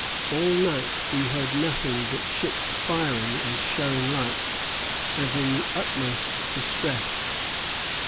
All night we heard nothing but ships firing and showing lights, as in the utmost distress."